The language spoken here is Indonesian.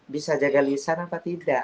bisa jaga lisan apa tidak